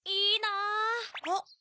あっ。